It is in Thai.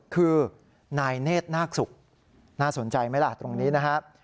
คือนายเนธน่าสุขน่าสนใจไหมล่ะตรงนี้นะฮะ